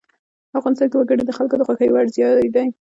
افغانستان کې وګړي د خلکو د خوښې وړ ځای دی.